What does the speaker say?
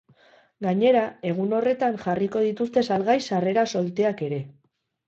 Gainera, egun horretan jarriko dituzte salgai sarrera solteak ere.